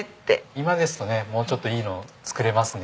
今ですとねもうちょっといいの作れますので。